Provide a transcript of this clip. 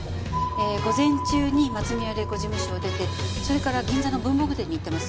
午前中に松宮玲子事務所を出てそれから銀座の文房具店に行ってます。